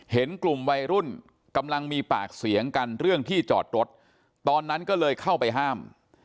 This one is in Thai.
เห็นกลุ่มวัยรุ่นกำลังมีปากเสียงกันเรื่องที่จอดรถตอนนั้นก็เลยเข้าไปห้าม